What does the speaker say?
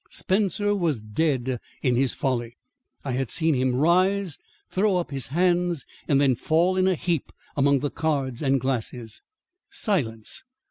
Spencer was dead in his Folly. I had seen him rise, throw up his hands and then fall in a heap among the cards and glasses. Silence!